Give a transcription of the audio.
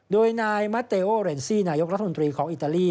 โดยนายมะเตโอเรนซี่นายกรัฐมนตรีของอิตาลี